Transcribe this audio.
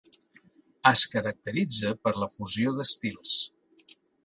Es caracteritza per la fusió d'estils.